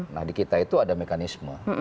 nah di kita itu ada mekanisme